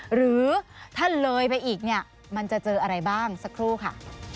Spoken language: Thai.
หรือถ้าเลยไปอีกเนี่ยมันจะเจออะไรบ้างสักครู่ค่ะ